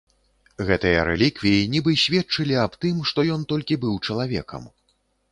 Гэтыя рэліквіі нібы сведчылі аб тым, што ён толькі быў чалавекам.